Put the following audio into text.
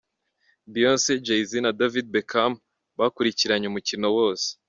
Beyonce, Jayz na David Beckam bakurikiranye umukino wose.